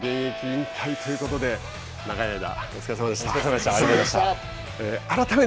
今シーズンで現役引退ということで長い間お疲れさまでした。